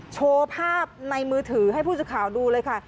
โชว์ภาพในมือถือให้ผู้สื่อข่าวดูเลยค่ะ